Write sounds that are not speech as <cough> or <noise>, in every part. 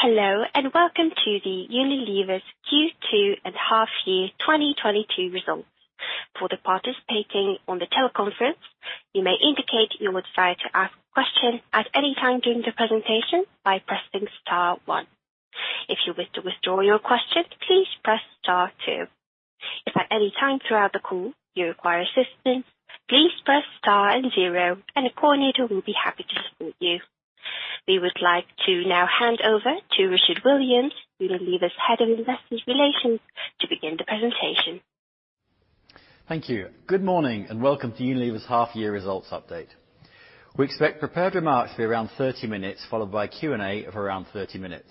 Hello, and welcome to Unilever's Second Quarter and Half-Year 2022 Results. For participants on the teleconference, you may indicate your desire to ask a question at any time during the presentation by pressing star one. If you wish to withdraw your question, please press star two. If at any time throughout the call you require assistance, please press star and zero, and a coordinator will be happy to support you. We would like to now hand over to Richard Williams, Unilever's Head of Investor Relations, to begin the presentation. Thank you. Good morning, and welcome to Unilever's Half-Year Results Update. We expect prepared remarks to be around 30 minutes, followed by Q&A of around 30 minutes.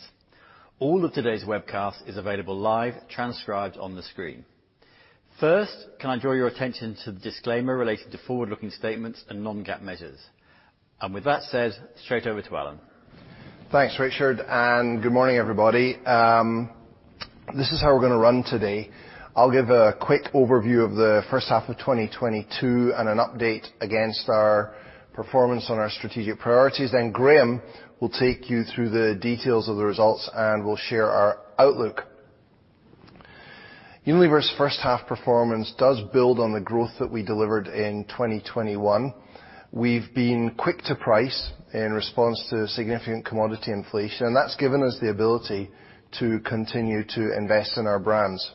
All of today's webcast is available live transcribed on the screen. First, can I draw your attention to the disclaimer related to forward-looking statements and non-GAAP measures? With that said, straight over to Alan. Thanks, Richard, and good morning, everybody. This is how we're gonna run today. I'll give a quick overview of the first half of 2022 and an update against our performance on our strategic priorities. Then Graeme will take you through the details of the results, and we'll share our outlook. Unilever's first half performance does build on the growth that we delivered in 2021. We've been quick to price in response to significant commodity inflation, and that's given us the ability to continue to invest in our brands.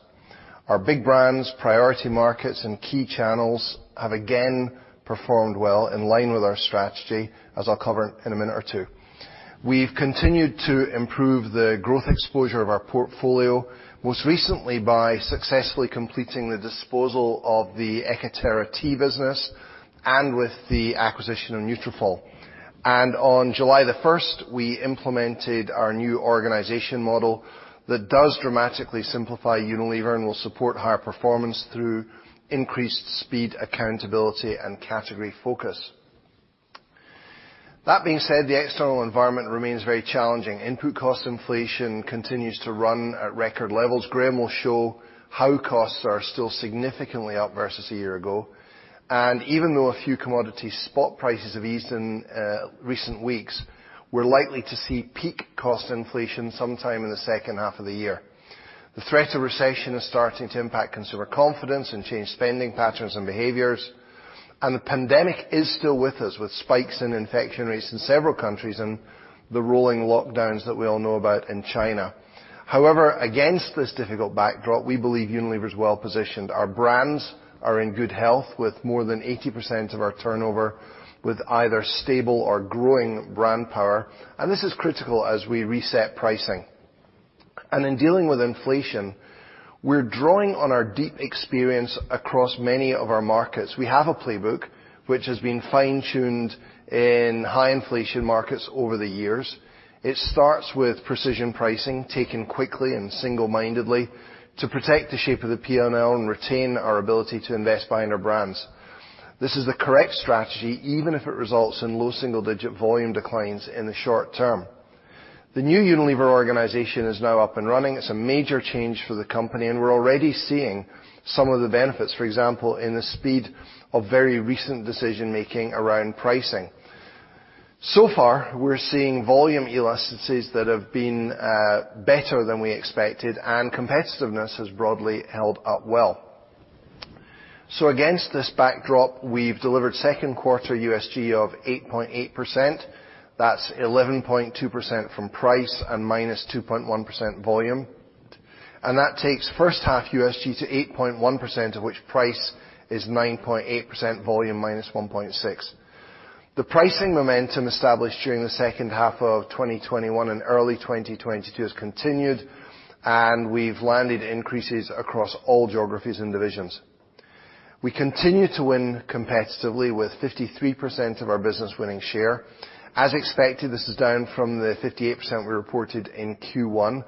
Our big brands, priority markets, and key channels have, again, performed well in line with our strategy, as I'll cover in a minute or two. We've continued to improve the growth exposure of our portfolio, most recently by successfully completing the disposal of the Ekaterra tea business and with the acquisition of Nutrafol. On July the first, we implemented our new organization model that does dramatically simplify Unilever and will support higher performance through increased speed, accountability and category focus. That being said, the external environment remains very challenging. Input cost inflation continues to run at record levels. Graeme will show how costs are still significantly up versus a year ago, and even though a few commodity spot prices have eased in recent weeks, we're likely to see peak cost inflation sometime in the second half of the year. The threat of recession is starting to impact consumer confidence and change spending patterns and behaviors. The pandemic is still with us, with spikes in infection rates in several countries and the rolling lockdowns that we all know about in China. However, against this difficult backdrop, we believe Unilever is well-positioned. Our brands are in good health with more than 80% of our turnover with either stable or growing brand power, and this is critical as we reset pricing. In dealing with inflation, we're drawing on our deep experience across many of our markets. We have a playbook which has been fine-tuned in high inflation markets over the years. It starts with precision pricing, taken quickly and single-mindedly to protect the shape of the P&L and retain our ability to invest behind our brands. This is the correct strategy, even if it results in low single-digit volume declines in the short term. The new Unilever organization is now up and running. It's a major change for the company, and we're already seeing some of the benefits, for example, in the speed of very recent decision-making around pricing. So far, we're seeing volume elasticities that have been better than we expected, and competitiveness has broadly held up well. Against this backdrop, we've delivered second quarter USG of 8.8%. That's 11.2% from price and -2.1% volume, and that takes first half USG to 8.1%, of which price is 9.8% volume 1.6%. The pricing momentum established during the second half of 2021 and early 2022 has continued, and we've landed increases across all geographies and divisions. We continue to win competitively with 53% of our business winning share. As expected, this is down from the 58% we reported in first quarter.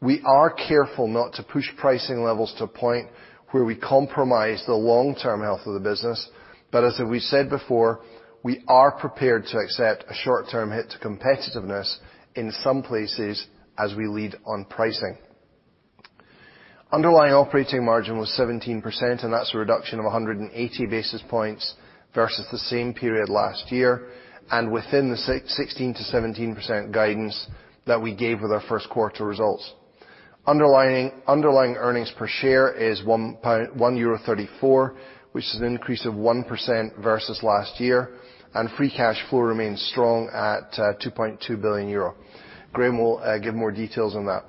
We are careful not to push pricing levels to a point where we compromise the long-term health of the business. As we said before, we are prepared to accept a short-term hit to competitiveness in some places as we lead on pricing. Underlying operating margin was 17%, and that's a reduction of 180-basis points versus the same period last year and within the 6% to 16% to 17% guidance that we gave with our first quarter results. Underlying earnings per share is 1.34 euro, which is an increase of 1% versus last year, and free cash flow remains strong at 2.2 billion euro. Graeme will give more details on that.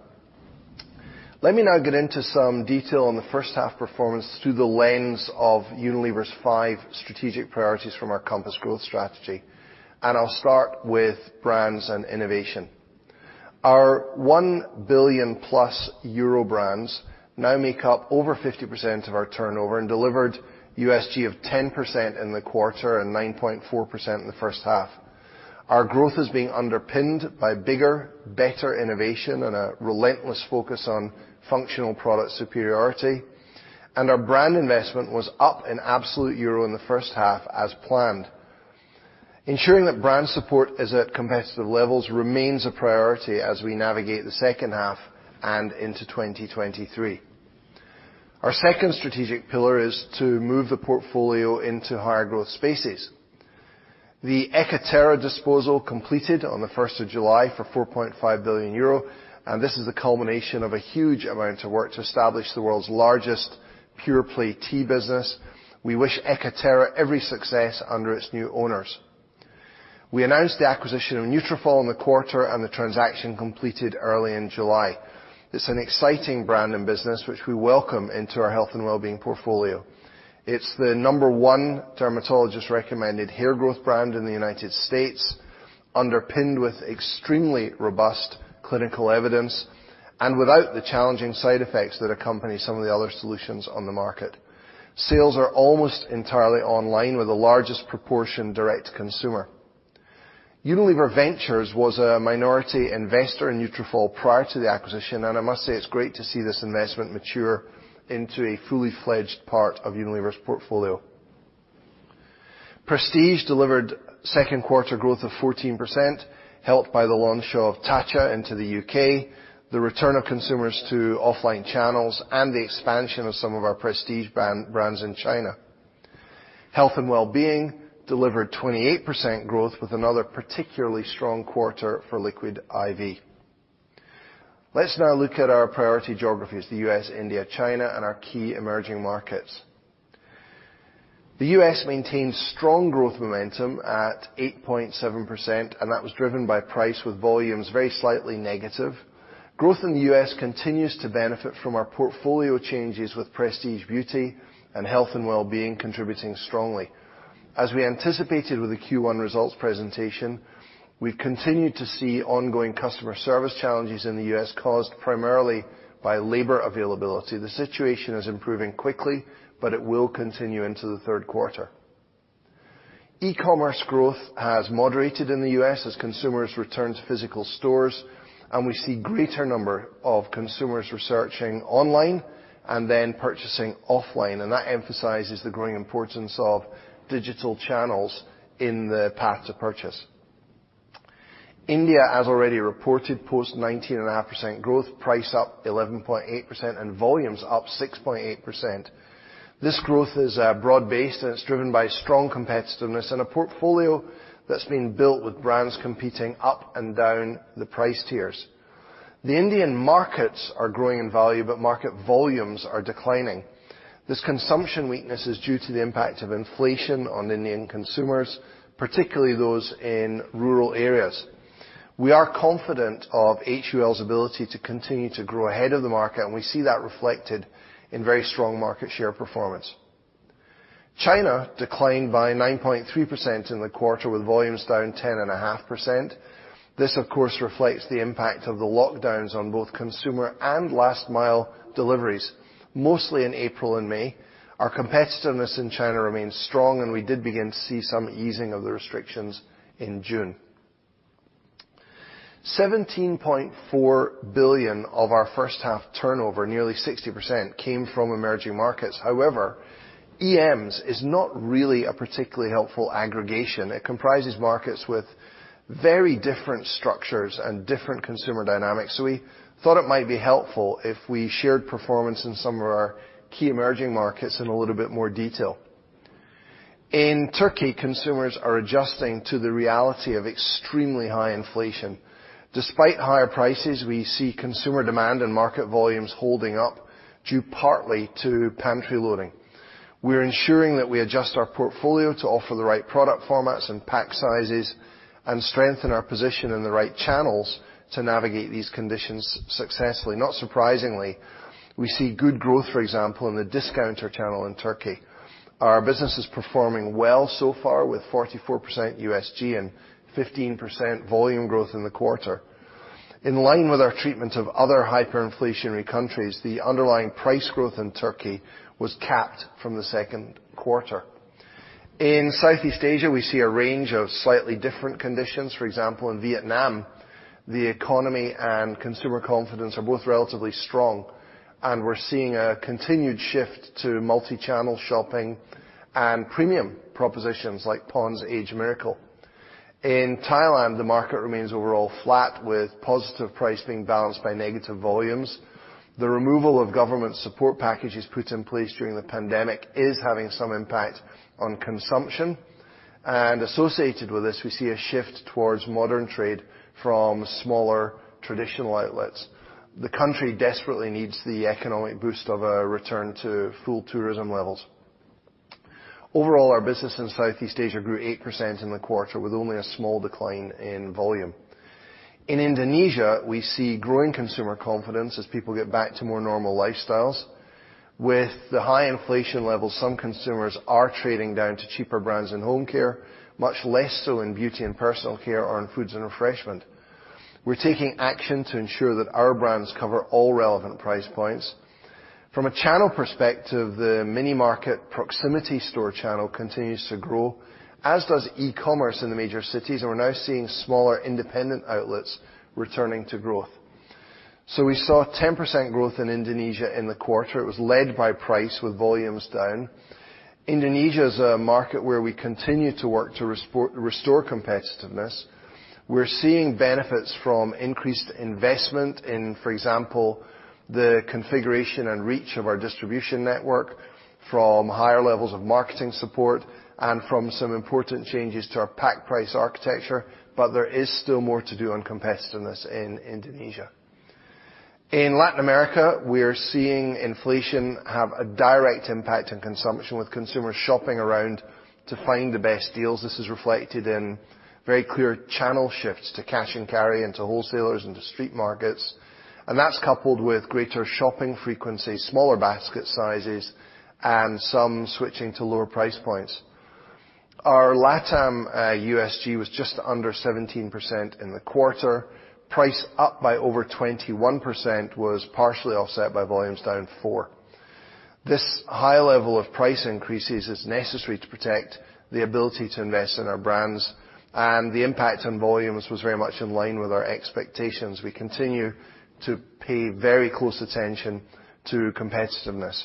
Let me now get into some detail on the first half performance through the lens of Unilever's five strategic priorities from our Compass growth strategy, and I'll start with brands and innovation. Our 1 billion euro+ brands now make up over 50% of our turnover and delivered USG of 10% in the quarter and 9.4% in the first half. Our growth is being underpinned by bigger, better innovation and a relentless focus on functional product superiority. Our brand investment was up in absolute EUR in the first half as planned. Ensuring that brand support is at competitive levels remains a priority as we navigate the second half and into 2023. Our second strategic pillar is to move the portfolio into higher growth spaces. The Ekaterra disposal completed on the first of July for 4.5 billion euro, and this is the culmination of a huge amount of work to establish the world's largest pure play tea business. We wish Ekaterra every success under its new owners. We announced the acquisition of Nutrafol in the quarter, and the transaction completed early in July. It's an exciting brand and business which we welcome into our health and wellbeing portfolio. It's the number one dermatologist recommended hair growth brand in the United States, underpinned with extremely robust clinical evidence and without the challenging side effects that accompany some of the other solutions on the market. Sales are almost entirely online with the largest proportion direct to consumer. Unilever Ventures was a minority investor in Nutrafol prior to the acquisition, and I must say it's great to see this investment mature into a fully fledged part of Unilever's portfolio. Prestige delivered second quarter growth of 14% helped by the launch of Tatcha into the UK, the return of consumers to offline channels, and the expansion of some of our prestige brands in China. Health and Wellbeing delivered 28% growth with another particularly strong quarter for Liquid I.V. Let's now look at our priority geographies, the US, India, China and our key emerging markets. The US maintains strong growth momentum at 8.7%, and that was driven by price with volumes very slightly negative. Growth in the US continues to benefit from our portfolio changes with Prestige Beauty and Health and Wellbeing contributing strongly. As we anticipated with the first quarter results presentation, we've continued to see ongoing customer service challenges in the US caused primarily by labor availability. The situation is improving quickly, but it will continue into the third quarter. E-commerce growth has moderated in the US as consumers return to physical stores, and we see greater number of consumers researching online and then purchasing offline. That emphasizes the growing importance of digital channels in the path to purchase. India, as already reported, posted 19.5% growth, price up 11.8% and volumes up 6.8%. This growth is broad-based, and it's driven by strong competitiveness and a portfolio that's been built with brands competing up and down the price tiers. The Indian markets are growing in value, but market volumes are declining. This consumption weakness is due to the impact of inflation on Indian consumers, particularly those in rural areas. We are confident of HUL's ability to continue to grow ahead of the market, and we see that reflected in very strong market share performance. China declined by 9.3% in the quarter, with volumes down 10.5%. This, of course, reflects the impact of the lockdowns on both consumer and last mile deliveries, mostly in April and May. Our competitiveness in China remains strong, and we did begin to see some easing of the restrictions in June. 17.4 billion of our first half turnover, nearly 60%, came from emerging markets. However, EMs is not really a particularly helpful aggregation. It comprises markets with very different structures and different consumer dynamics, so we thought it might be helpful if we shared performance in some of our key emerging markets in a little bit more detail. In Turkey, consumers are adjusting to the reality of extremely high inflation. Despite higher prices, we see consumer demand and market volumes holding up due partly to pantry loading. We are ensuring that we adjust our portfolio to offer the right product formats and pack sizes and strengthen our position in the right channels to navigate these conditions successfully. Not surprisingly, we see good growth, for example, in the discounter channel in Turkey. Our business is performing well so far, with 44% USG and 15% volume growth in the quarter. In line with our treatment of other hyperinflationary countries, the underlying price growth in Turkey was capped from the second quarter. In Southeast Asia, we see a range of slightly different conditions. For example, in Vietnam, the economy and consumer confidence are both relatively strong, and we're seeing a continued shift to multi-channel shopping and premium propositions like Pond's Age Miracle. In Thailand, the market remains overall flat, with positive price being balanced by negative volumes. The removal of government support packages put in place during the pandemic is having some impact on consumption, and associated with this, we see a shift towards modern trade from smaller traditional outlets. The country desperately needs the economic boost of a return to full tourism levels. Overall, our business in Southeast Asia grew 8% in the quarter with only a small decline in volume. In Indonesia, we see growing consumer confidence as people get back to more normal lifestyles. With the high inflation levels, some consumers are trading down to cheaper brands in home care, much less so in beauty and personal care or in foods and refreshment. We're taking action to ensure that our brands cover all relevant price points. From a channel perspective, the mini market proximity store channel continues to grow, as does e-commerce in the major cities, and we're now seeing smaller independent outlets returning to growth. We saw 10% growth in Indonesia in the quarter. It was led by price with volumes down. Indonesia is a market where we continue to work to restore competitiveness. We're seeing benefits from increased investment in, for example, the configuration and reach of our distribution network from higher levels of marketing support and from some important changes to our pack price architecture, but there is still more to do on competitiveness in Indonesia. In Latin America, we are seeing inflation have a direct impact on consumption, with consumers shopping around to find the best deals. This is reflected in very clear channel shifts to cash and carry, and to wholesalers, and to street markets, and that's coupled with greater shopping frequency, smaller basket sizes, and some switching to lower price points. Our LatAm USG was just under 17% in the quarter. Price up by over 21% was partially offset by volumes down 4%. This high level of price increases is necessary to protect the ability to invest in our brands, and the impact on volumes was very much in line with our expectations. We continue to pay very close attention to competitiveness.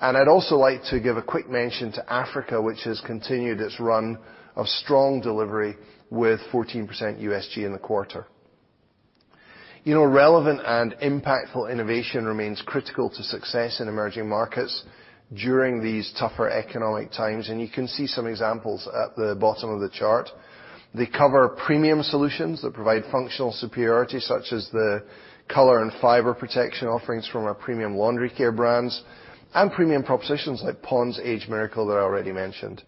I'd also like to give a quick mention to Africa, which has continued its run of strong delivery with 14% USG in the quarter. You know, relevant and impactful innovation remains critical to success in emerging markets during these tougher economic times, and you can see some examples at the bottom of the chart. They cover premium solutions that provide functional superiority, such as the color and fiber protection offerings from our premium laundry care brands, and premium propositions like Pond's Age Miracle that I already mentioned.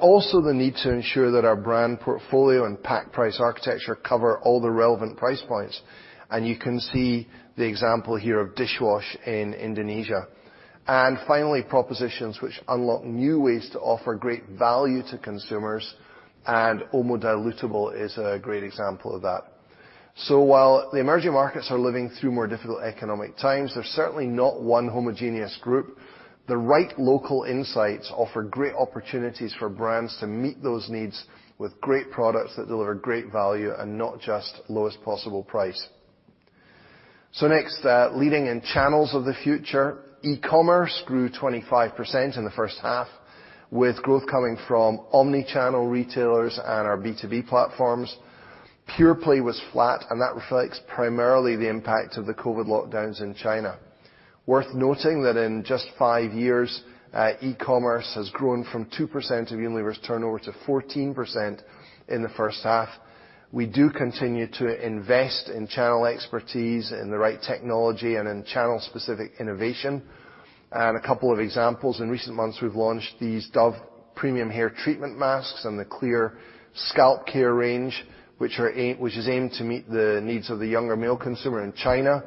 Also the need to ensure that our brand portfolio and pack price architecture cover all the relevant price points, and you can see the example here of dishwash in Indonesia. Finally, propositions which unlock new ways to offer great value to consumers, and Omo Dilutable is a great example of that. While the emerging markets are living through more difficult economic times, they're certainly not one homogeneous group. The right local insights offer great opportunities for brands to meet those needs with great products that deliver great value and not just lowest possible price. Next, leading in channels of the future. E-commerce grew 25% in the first half, with growth coming from omni-channel retailers and our B2B platforms. Pure play was flat, and that reflects primarily the impact of the COVID lockdowns in China. Worth noting that in just five years, e-commerce has grown from 2% of Unilever's turnover to 14% in the first half. We do continue to invest in channel expertise, in the right technology, and in channel-specific innovation. A couple of examples. In recent months, we've launched these Dove Premium Hair Treatment masks and the Clear Scalp Care range, which is aimed to meet the needs of the younger male consumer in China,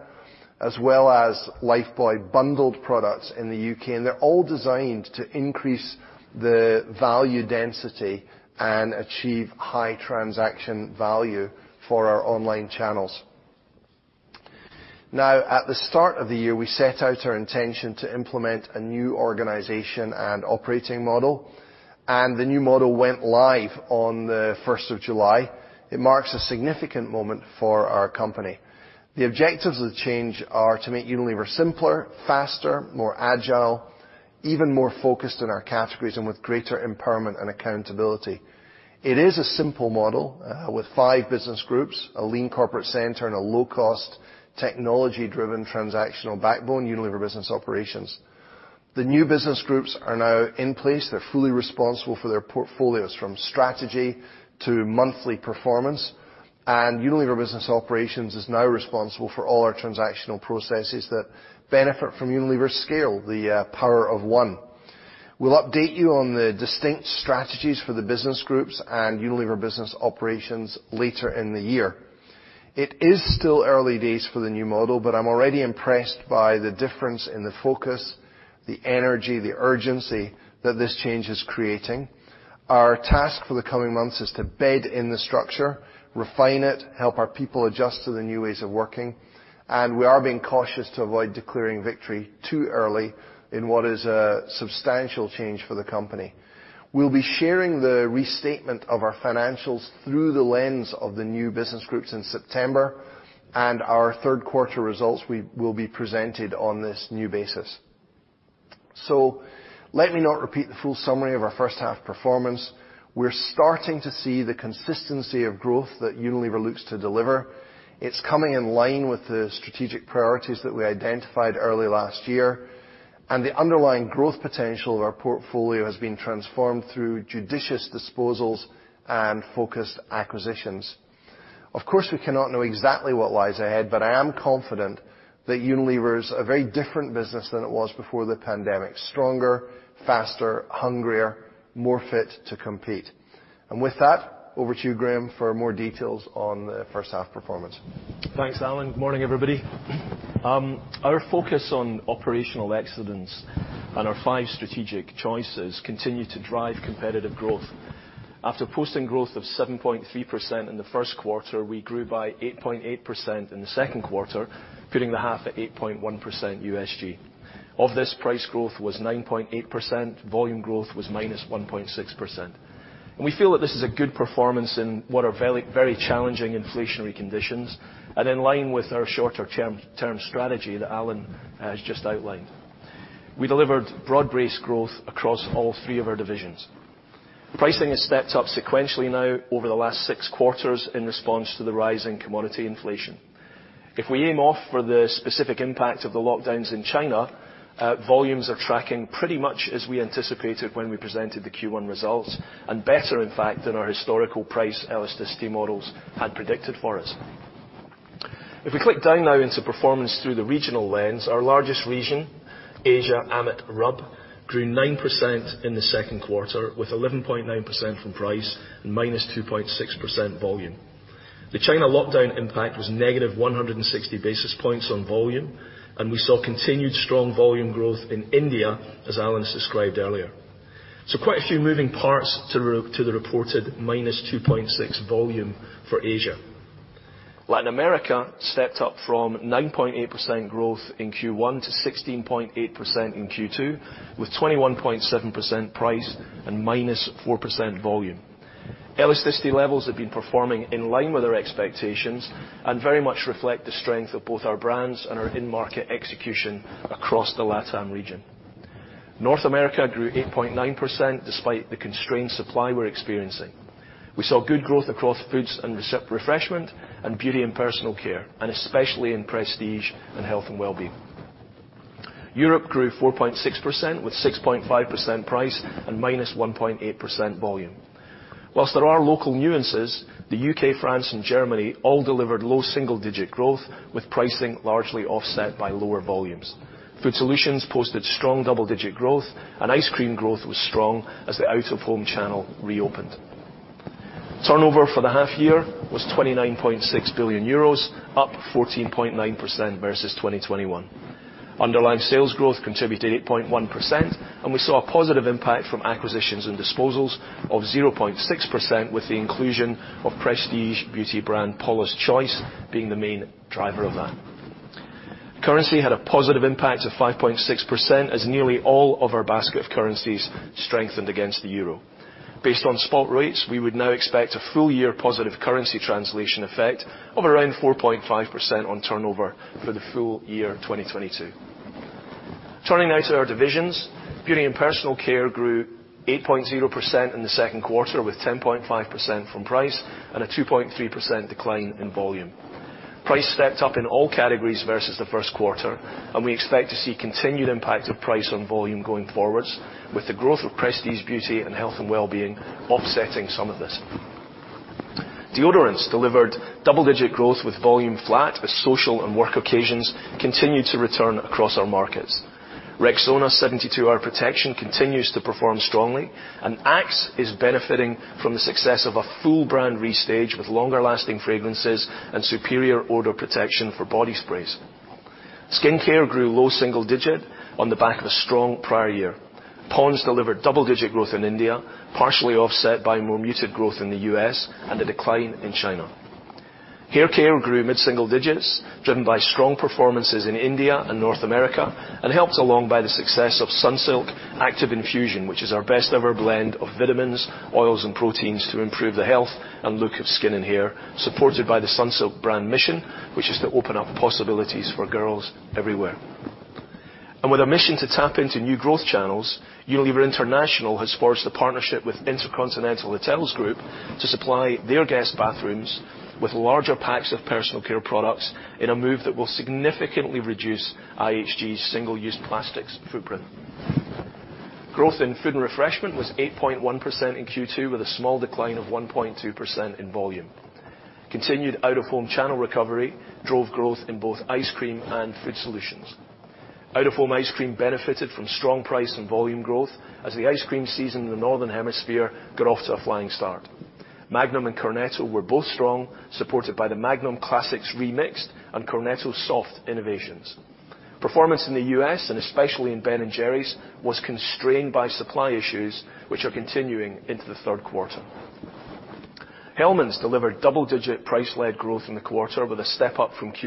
as well as Lifebuoy bundled products in the UK. They're all designed to increase the value density and achieve high transaction value for our online channels. Now, at the start of the year, we set out our intention to implement a new organization and operating model, and the new model went live on the first of July. It marks a significant moment for our company. The objectives of the change are to make Unilever simpler, faster, more agile, even more focused in our categories, and with greater empowerment and accountability. It is a simple model with five business groups, a lean corporate center, and a low-cost, technology-driven transactional backbone, Unilever Business Operations. The new business groups are now in place. They're fully responsible for their portfolios, from strategy to monthly performance, and Unilever Business Operations is now responsible for all our transactional processes that benefit from Unilever's scale, power of one. We'll update you on the distinct strategies for the business groups and Unilever Business Operations later in the year. It is still early days for the new model, but I'm already impressed by the difference in the focus, the energy, the urgency that this change is creating. Our task for the coming months is to bed in the structure, refine it, help our people adjust to the new ways of working, and we are being cautious to avoid declaring victory too early in what is a substantial change for the company. We'll be sharing the restatement of our financials through the lens of the new business groups in September, and our third quarter results will be presented on this new basis. Let me not repeat the full summary of our first half performance. We're starting to see the consistency of growth that Unilever looks to deliver. It's coming in line with the strategic priorities that we identified early last year, and the underlying growth potential of our portfolio has been transformed through judicious disposals and focused acquisitions. Of course, we cannot know exactly what lies ahead, but I am confident that Unilever is a very different business than it was before the pandemic. Stronger, faster, hungrier, more fit to compete. With that, over to you, Graeme, for more details on the first half performance. Thanks, Alan. Good morning, everybody. Our focus on operational excellence and our five strategic choices continue to drive competitive growth. After posting growth of 7.3% in the first quarter, we grew by 8.8% in the second quarter, putting the half at 8.1% USG. Of this, price growth was 9.8%, volume growth was -1.6%. We feel that this is a good performance in what are very, very challenging inflationary conditions, and in line with our shorter-term strategy that Alan has just outlined. We delivered broad-based growth across all three of our divisions. Pricing has stepped up sequentially now over the last six quarters in response to the rise in commodity inflation. If we aim off for the specific impact of the lockdowns in China, volumes are tracking pretty much as we anticipated when we presented the first quarter results, and better, in fact, than our historical price elasticity models had predicted for us. If we click down now into performance through the regional lens, our largest region, Asia/AMET/RUB, grew 9% in the second quarter, with 11.9% from price and -2.6% volume. The China lockdown impact was negative 160-basis points on volume, and we saw continued strong volume growth in India, as Alan described earlier. Quite a few moving parts to the reported -2.6% volume for Asia. Latin America stepped up from 9.8% growth in first quarter to 16.8% in second quarter, with 21.7% price and -4% volume. Elasticity levels have been performing in line with our expectations and very much reflect the strength of both our brands and our in-market execution across the LatAm region. North America grew 8.9% despite the constrained supply we're experiencing. We saw good growth across foods and refreshment and beauty and personal care, and especially in prestige and health and wellbeing. Europe grew 4.6% with 6.5% price and -1.8% volume. While there are local nuances, the UK, France and Germany all delivered low single-digit growth with pricing largely offset by lower volumes. Food solutions posted strong double-digit growth and ice cream growth was strong as the out-of-home channel reopened. Turnover for the half year was 29.6 billion euros, up 14.9% versus 2021. Underlying sales growth contributed 8.1%, and we saw a positive impact from acquisitions and disposals of 0.6%, with the inclusion of prestige beauty brand Paula's Choice being the main driver of that. Currency had a positive impact of 5.6% as nearly all of our basket of currencies strengthened against the euro. Based on spot rates, we would now expect a full year positive currency translation effect of around 4.5% on turnover for the full year 2022. Turning now to our divisions. Beauty and Personal Care grew 8.0% in the second quarter, with 10.5% from price and a 2.3% decline in volume. Price stepped up in all categories versus the first quarter, and we expect to see continued impact of price on volume going forwards, with the growth of prestige beauty and health and wellbeing offsetting some of this. Deodorants delivered double-digit growth with volume flat as social and work occasions continued to return across our markets. Rexona 72-hour protection continues to perform strongly, and Axe is benefiting from the success of a full brand restage with longer lasting fragrances and superior odor protection for body sprays. Skincare grew low single-digit on the back of a strong prior year. Pond's delivered double-digit growth in India, partially offset by more muted growth in the US and a decline in China. Hair care grew mid-single digits, driven by strong performances in India and North America, and helped along by the success of Sunsilk Activ-Infusion, which is our best ever blend of vitamins, oils, and proteins to improve the health and look of skin and hair, supported by the Sunsilk brand mission, which is to open up possibilities for girls everywhere. With a mission to tap into new growth channels, Unilever International has forged a partnership with InterContinental Hotels Group to supply their guest bathrooms with larger packs of personal care products in a move that will significantly reduce IHG's single-use plastics footprint. Growth in food and refreshment was 8.1% in second quarter, with a small decline of 1.2% in volume. Continued out-of-home channel recovery drove growth in both ice cream and food solutions. Out-of-home ice cream benefited from strong price and volume growth as the ice cream season in the Northern Hemisphere got off to a flying start. Magnum and Cornetto were both strong, supported by the Magnum Classics Remixed and Cornetto Soft innovations. Performance in the US, and especially in Ben & Jerry's, was constrained by supply issues, which are continuing into the third quarter. Hellmann's delivered double-digit price-led growth in the quarter with a step up from first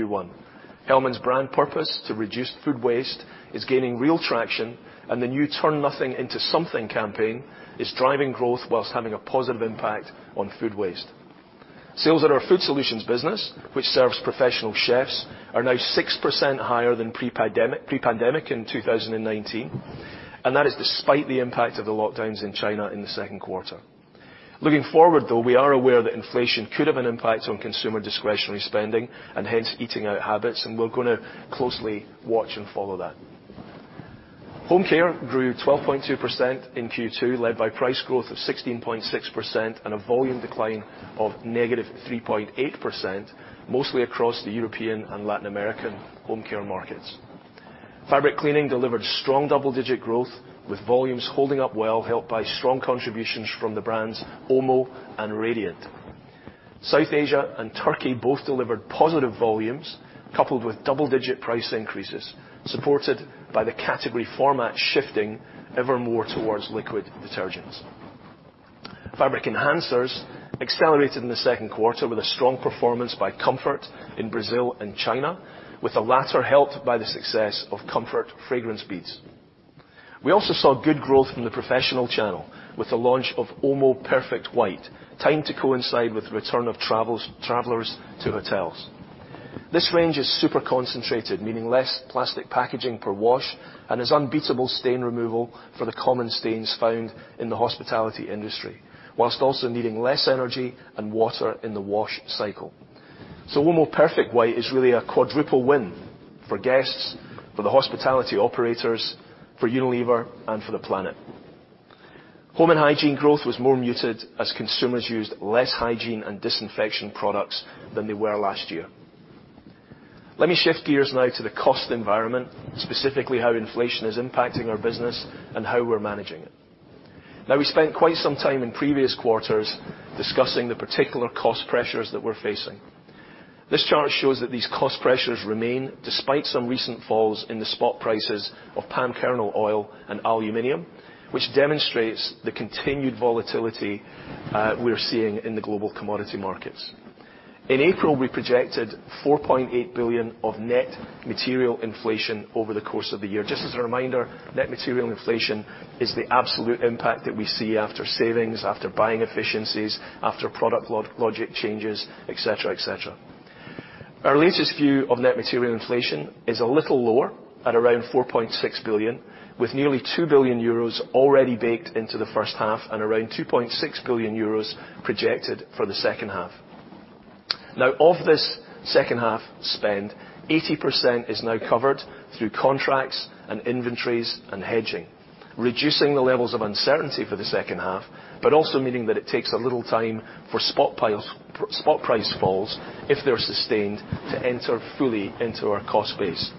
quarter. Hellmann's brand purpose to reduce food waste is gaining real traction, and the new Turn Nothing into Something campaign is driving growth while having a positive impact on food waste. Sales at our food solutions business, which serves professional chefs, are now 6% higher than pre-pandemic in 2019, and that is despite the impact of the lockdowns in China in the second quarter. Looking forward, though, we are aware that inflation could have an impact on consumer discretionary spending and hence eating out habits, and we're gonna closely watch and follow that. Home care grew 12.2% in second quarter, led by price growth of 16.6% and a volume decline of -3.8%, mostly across the European and Latin American home care markets. Fabric cleaning delivered strong double-digit growth with volumes holding up well, helped by strong contributions from the brands Omo and Radiant. South Asia and Turkey both delivered positive volumes coupled with double-digit price increases, supported by the category format shifting ever more towards liquid detergents. Fabric enhancers accelerated in the second quarter with a strong performance by Comfort in Brazil and China, with the latter helped by the success of Comfort fragrance beads. We also saw good growth from the professional channel with the launch of Omo Perfect White, timed to coincide with the return of travelers to hotels. This range is super concentrated, meaning less plastic packaging per wash, and has unbeatable stain removal for the common stains found in the hospitality industry, while also needing less energy and water in the wash cycle. Omo Perfect White is really a quadruple win for guests, for the hospitality operators, for Unilever, and for the planet. Home and Hygiene growth was more muted, as consumers used less hygiene and disinfection products than they were last year. Let me shift gears now to the cost environment, specifically how inflation is impacting our business and how we're managing it. Now, we spent quite some time in previous quarters discussing the particular cost pressures that we're facing. This chart shows that these cost pressures remain despite some recent falls in the spot prices of palm kernel oil and aluminum, which demonstrates the continued volatility we're seeing in the global commodity markets. In April, we projected 4.8 billion of net material inflation over the course of the year. Just as a reminder, net material inflation is the absolute impact that we see after savings, after buying efficiencies, after product logic changes, et cetera, et cetera. Our latest view of net material inflation is a little lower, at around 4.6 billion, with nearly 2 billion euros already baked into the first half, and around 2.6 billion euros projected for the second half. Now, of this second half spend, 80% is now covered through contracts and inventories and hedging, reducing the levels of uncertainty for the second half, but also meaning that it takes a little time for spot price falls, if they're sustained, to enter fully into our cost base.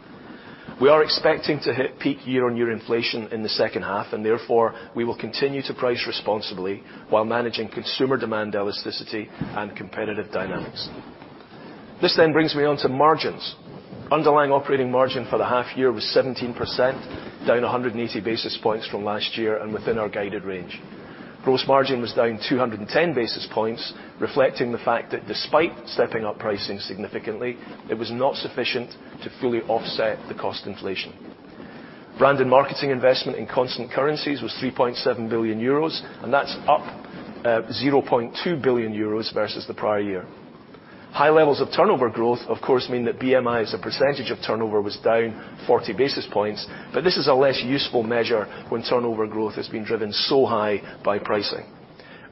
We are expecting to hit peak year-on-year inflation in the second half, and therefore we will continue to price responsibly while managing consumer demand elasticity and competitive dynamics. This then brings me on to margins. Underlying operating margin for the half year was 17%, down 180-basis points from last year and within our guided range. Gross margin was down 210-basis points, reflecting the fact that despite stepping up pricing significantly, it was not sufficient to fully offset the cost inflation. Brand and marketing investment in constant currencies was 3.7 billion euros, and that's up zero point two billion euros versus the prior year. High levels of turnover growth, of course, mean that BMI as a percentage of turnover was down 40-basis points, but this is a less useful measure when turnover growth has been driven so high by pricing.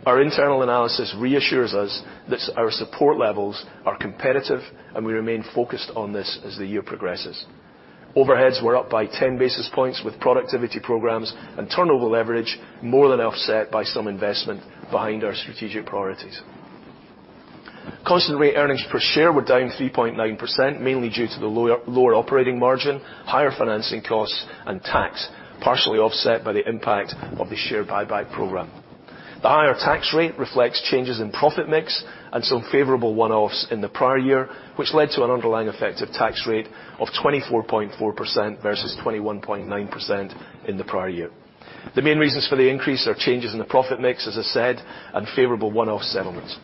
Our internal analysis reassures us that our support levels are competitive, and we remain focused on this as the year progresses. Overheads were up by 10-basis points with productivity programs, and turnover leverage more than offset by some investment behind our strategic priorities. Constant rate earnings per share were down 3.9%, mainly due to the lower operating margin, higher financing costs and tax, partially offset by the impact of the share buyback program. The higher tax rate reflects changes in profit mix and some favorable one-offs in the prior year, which led to an underlying effective tax rate of 24.4% versus 21.9% in the prior year. The main reasons for the increase are changes in the profit mix, as I said, and favorable one-off settlements.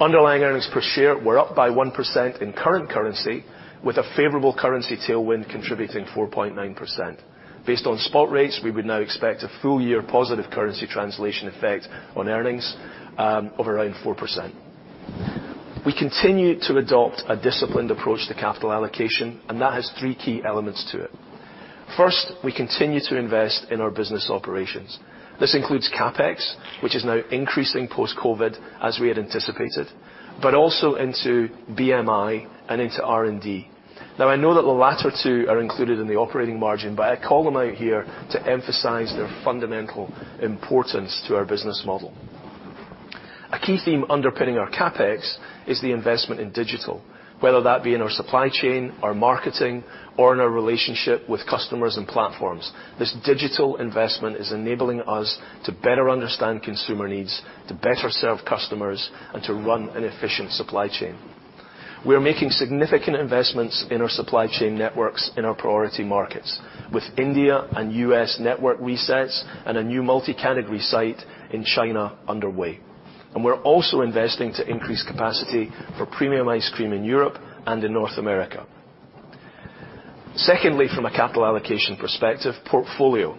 Underlying earnings per share were up by 1% in current currency, with a favorable currency tailwind contributing 4.9%. Based on spot rates, we would now expect a full-year positive currency translation effect on earnings, of around 4%. We continue to adopt a disciplined approach to capital allocation, and that has three key elements to it. First, we continue to invest in our business operations. This includes CapEx, which is now increasing post-COVID as we had anticipated, but also into BMI and into R&D. Now, I know that the latter two are included in the operating margin, but I call them out here to emphasize their fundamental importance to our business model. A key theme underpinning our CapEx is the investment in digital, whether that be in our supply chain, our marketing, or in our relationship with customers and platforms. This digital investment is enabling us to better understand consumer needs, to better serve customers, and to run an efficient supply chain. We are making significant investments in our supply chain networks in our priority markets, with India and US network resets and a new multi-category site in China underway. We're also investing to increase capacity for premium ice cream in Europe and in North America. Secondly, from a capital allocation perspective, portfolio.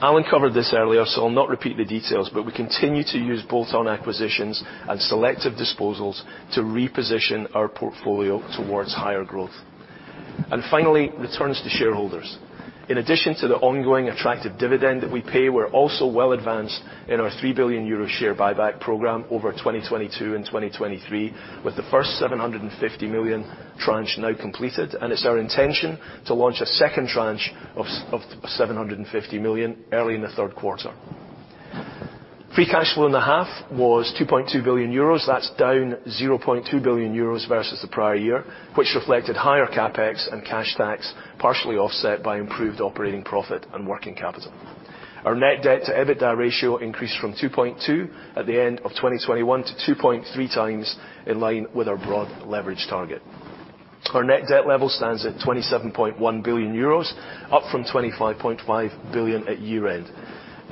Alan covered this earlier, so I'll not repeat the details, but we continue to use bolt-on acquisitions and selective disposals to reposition our portfolio towards higher growth. Finally, returns to shareholders. In addition to the ongoing attractive dividend that we pay, we're also well advanced in our 3 billion euro share buyback program over 2022 and 2023, with the first 750 million tranche now completed, and it's our intention to launch a second tranche of 750 million early in the third quarter. Free cash flow in the half was 2.2 billion euros. That's down 0.2 billion euros versus the prior year, which reflected higher CapEx and cash tax, partially offset by improved operating profit and working capital. Our net debt to EBITDA ratio increased from 2.2x at the end of 2021 to 2.3x, in line with our broad leverage target. Our net debt level stands at 27.1 billion euros, up from 25.5 billion at year-end.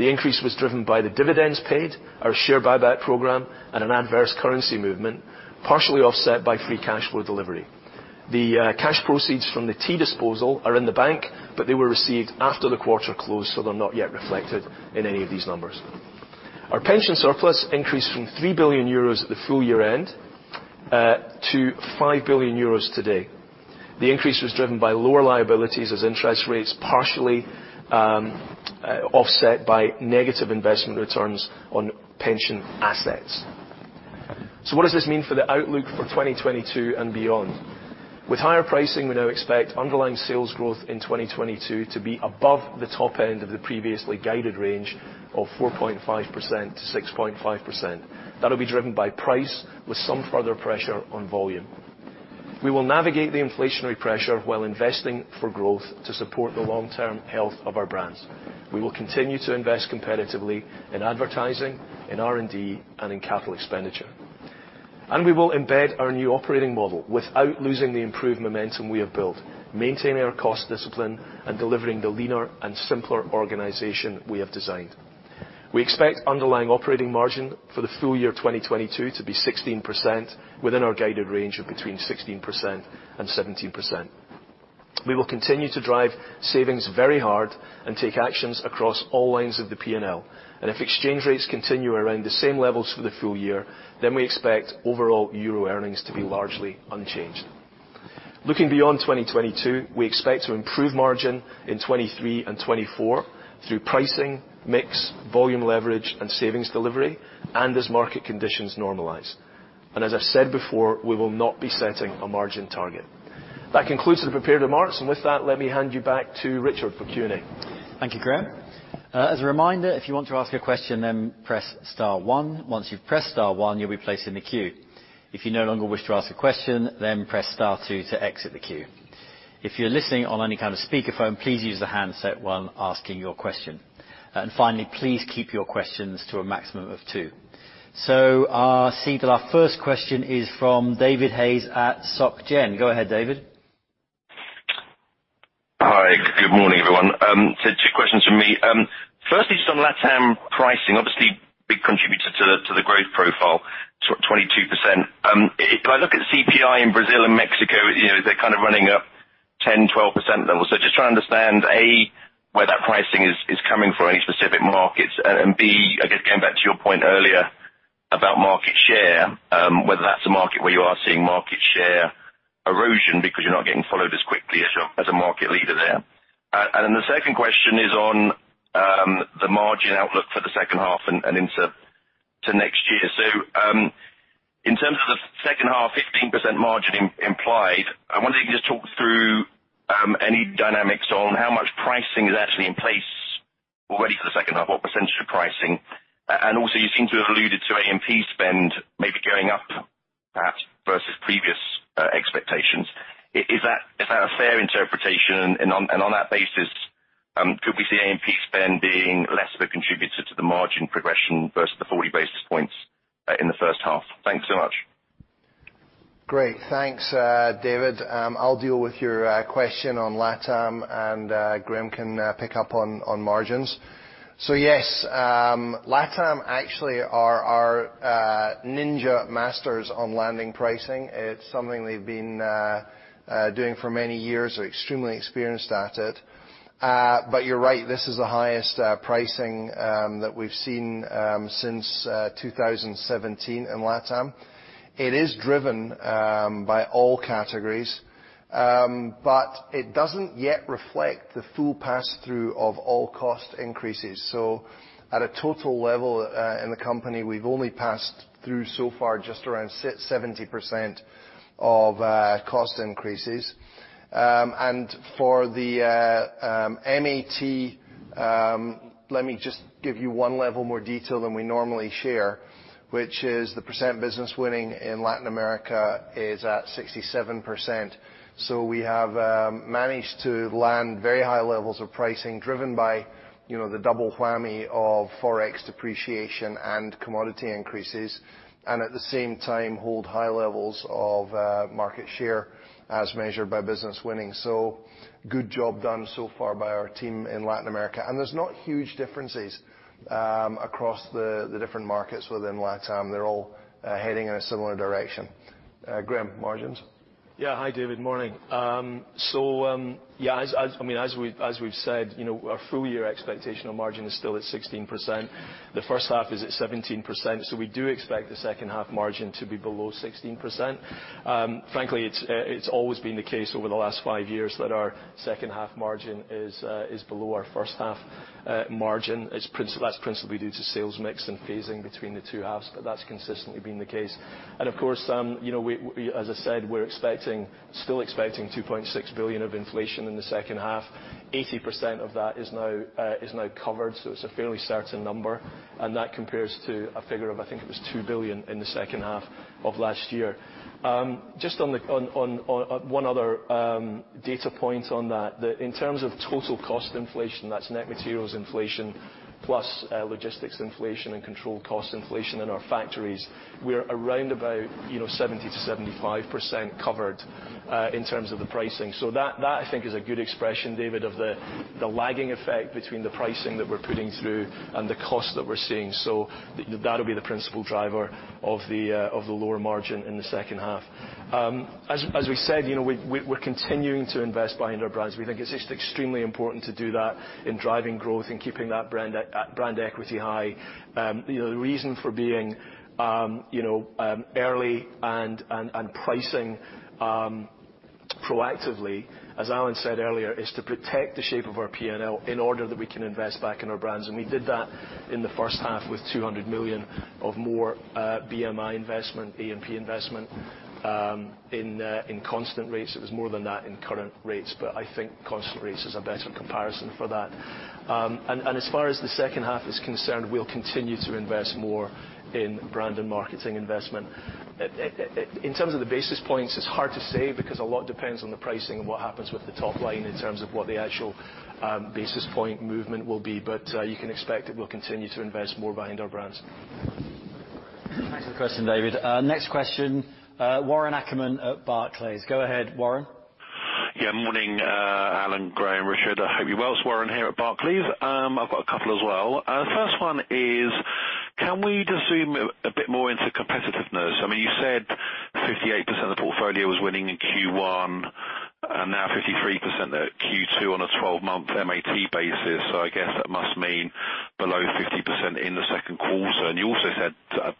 The increase was driven by the dividends paid, our share buyback program, and an adverse currency movement, partially offset by free cash flow delivery. The cash proceeds from the tea disposal are in the bank, but they were received after the quarter closed, so they're not yet reflected in any of these numbers. Our pension surplus increased from 3 billion euros at the full year end to 5 billion euros today. The increase was driven by lower liabilities as interest rates partially offset by negative investment returns on pension assets. What does this mean for the outlook for 2022 and beyond? With higher pricing, we now expect underlying sales growth in 2022 to be above the top end of the previously guided range of 4.5% to 6.5%. That'll be driven by price with some further pressure on volume. We will navigate the inflationary pressure while investing for growth to support the long-term health of our brands. We will continue to invest competitively in advertising, in R&D, and in capital expenditure. We will embed our new operating model without losing the improved momentum we have built, maintaining our cost discipline and delivering the leaner and simpler organization we have designed. We expect underlying operating margin for the full year 2022 to be 16% within our guided range of between 16% and 17%. We will continue to drive savings very hard and take actions across all lines of the P&L and if exchange rates continue around the same levels for the full year, then we expect overall euro earnings to be largely unchanged. Looking beyond 2022, we expect to improve margin in 2023 and 2024 through pricing, mix, volume leverage and savings delivery and as market conditions normalize. As I've said before, we will not be setting a margin target. That concludes the prepared remarks, and with that, let me hand you back to Richard for Q&A. Thank you, Graeme. As a reminder, if you want to ask a question, then press star one. Once you've pressed star one, you'll be placed in the queue. If you no longer wish to ask a question, then press star two to exit the queue. If you're listening on any kind of speakerphone, please use the handset while asking your question. Finally, please keep your questions to a maximum of two. I'll say that our first question is from David Hayes at Société. Go ahead, David. Hi. Good morning, everyone. Two questions from me. Firstly, just on LatAm pricing, obviously big contributor to the growth profile, 22%. If I look at CPI in Brazil and Mexico, you know, they're kind of running up 10%, 12% levels. Just trying to understand, A, where that pricing is coming from, any specific markets. B, I guess going back to your point earlier about market share, whether that's a market where you are seeing market share erosion because you're not getting followed as quickly as a market leader there. The second question is on the margin outlook for the second half and into next year. In terms of the second half, 15% margin implied, I wonder if you can just talk through any dynamics on how much pricing is actually in place already for the second half, what percentage of pricing. Also, you seem to have alluded to A&P spend maybe going up perhaps versus previous expectations. Is that a fair interpretation? On that basis, could we see A&P spend being less of a contributor to the margin progression versus the 40-basis points in the first half? Thanks so much. Great. Thanks, David. I'll deal with your question on LatAm, and Graeme can pick up on margins. Yes, LatAm actually are our ninja masters on landing pricing. It's something they've been doing for many years, are extremely experienced at it. You're right, this is the highest pricing that we've seen since 2017 in LatAm. It is driven by all categories, but it doesn't yet reflect the full pass through of all cost increases. At a total level, in the company, we've only passed through so far just around 70% of cost increases. For the MAT, let me just give you one level more detail than we normally share, which is the percent business winning in Latin America is at 67%. We have managed to land very high levels of pricing driven by, you know, the double whammy of Forex depreciation and commodity increases, and at the same time hold high levels of market share as measured by business winning. Good job done so far by our team in Latin America. There's not huge differences across the different markets within LatAm. They're all heading in a similar direction. Graeme, margins? Yeah. Hi, David. Morning. Yeah, I mean, as we've said, you know, our full year expected margin is still at 16%. The first half is at 17%, so we do expect the second half margin to be below 16%. Frankly, it's always been the case over the last five years that our second half margin is below our first half margin. That's principally due to sales mix and phasing between the 2.5 billion, but that's consistently been the case. Of course, you know, we, as I said, we're still expecting 2.6 billion of inflation in the second half. 80% of that is now covered, so it's a fairly certain number, and that compares to a figure of, I think it was 2 billion in the second half of last year. Just on one other data point on that, in terms of total cost inflation, that's net materials inflation plus logistics inflation and controlled cost inflation in our factories. We're around about, you know, 70% to 75% covered in terms of the pricing. That I think is a good expression, David, of the lagging effect between the pricing that we're putting through and the cost that we're seeing. That'll be the principal driver of the lower margin in the second half. As we said, you know, we're continuing to invest behind our brands. We think it's just extremely important to do that in driving growth and keeping that brand equity high. You know, the reason for being, you know, early and pricing. Proactively, as Alan said earlier, is to protect the shape of our P&L in order that we can invest back in our brands. We did that in the first half with 200 million or more BMI investment, A&P investment, in constant rates. It was more than that in current rates. I think constant rates is a better comparison for that. As far as the second half is concerned, we'll continue to invest more in brand and marketing investment. In terms of the basis points, it's hard to say because a lot depends on the pricing and what happens with the top line in terms of what the actual basis point movement will be. You can expect that we'll continue to invest more behind our brands. Thanks for the question, David. Next question, Warren Ackerman at Barclays. Go ahead, Warren. Morning, Alan, Graeme, Richard. I hope you're well. It's Warren here at Barclays. I've got a couple as well. First one is can we just zoom a bit more into competitiveness? I mean, you said 58% of the portfolio was winning in first quarter, and now 53% at second quarter on a 12-month MAT basis. I guess that must mean below 50% in the second quarter. You also said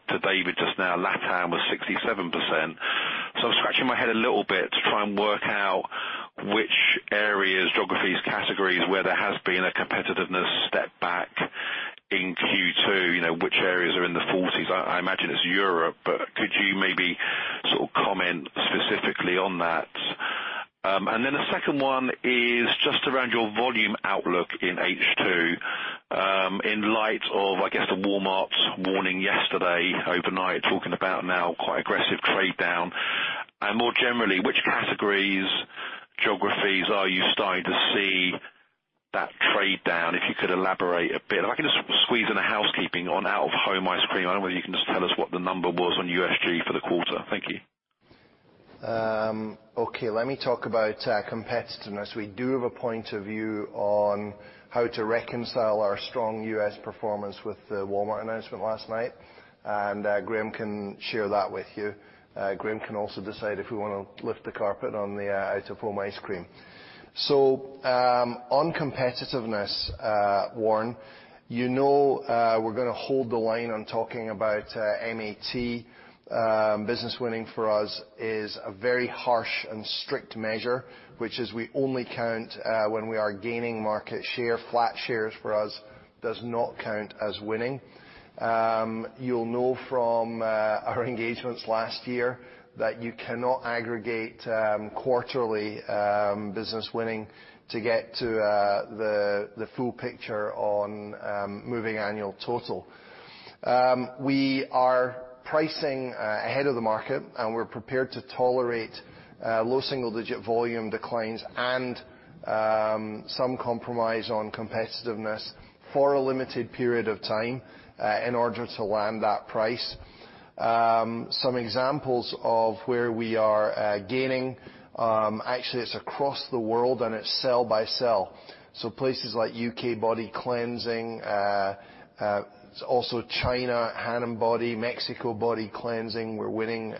to David just now, LatAm was 67%. I'm scratching my head a little bit to try and work out which areas, geographies, categories, where there has been a competitiveness stepback in second quarter, you know, which areas are in the forties. I imagine it's Europe, but could you maybe sort of comment specifically on that? The second one is just around your volume outlook in second half. In light of, I guess, the Walmart warning yesterday, overnight, talking about now quite aggressive trade down. More generally, which categories, geographies are you starting to see that trade down? If you could elaborate a bit. If I can just squeeze in a housekeeping on out of home ice cream. I don't know whether you can just tell us what the number was on USG for the quarter. Thank you. Okay, let me talk about competitiveness. We do have a point of view on how to reconcile our strong US performance with the Walmart announcement last night, and Graeme can share that with you. Graeme can also decide if we want to lift the carpet on the out of home ice cream. On competitiveness, Warren, you know, we're gonna hold the line on talking about MAT. Business winning for us is a very harsh and strict measure, which is we only count when we are gaining market share. Flat shares for us does not count as winning. You'll know from our engagements last year that you cannot aggregate quarterly business winning to get to the full picture on moving annual total. We are pricing ahead of the market, and we're prepared to tolerate low single-digit volume declines and some compromise on competitiveness for a limited period of time in order to land that price. Some examples of where we are gaining, actually it's across the world and it's sell by sell. Places like UK body cleansing, also China Hamam body, Mexico body cleansing, we're winning